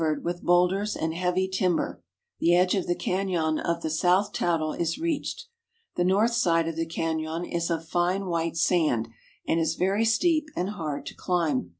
d 230 GEOGRAPHIC LITERATURE with boulders and heavy timber, the edge of the canon of the South Toutle is reached. The north side of the canon is of fine white sand, and is very steep and hard to chmb.